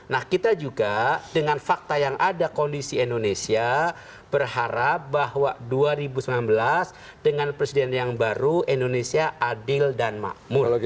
nah kita juga dengan fakta yang ada kondisi indonesia berharap bahwa dua ribu sembilan belas dengan presiden yang baru indonesia adil dan makmur